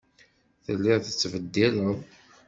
Telliḍ tettbeddileḍ.